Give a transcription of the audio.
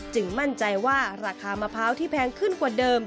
มั่นใจว่าราคามะพร้าวที่แพงขึ้นกว่าเดิม